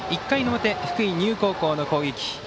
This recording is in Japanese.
１回の表、福井、丹生高校の攻撃。